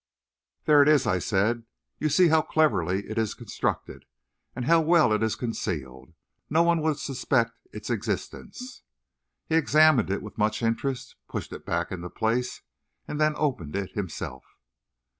"There it is," I said. "You see how cleverly it is constructed. And how well it is concealed. No one would suspect its existence." He examined it with much interest; pushed it back into place, and then opened it himself.